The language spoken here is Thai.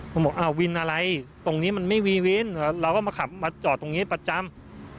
ผมบอกวินอะไรตรงนี้มันไม่มีวินเราก็มาขับมาจอดตรงนี้ประจำ